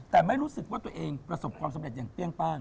แต่ไม่รู้สึกว่าตัวเองประสบความสำเร็จอย่างเปรี้ยงป้าน